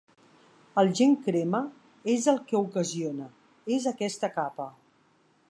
El gen crema és el que ocasiona és aquesta capa.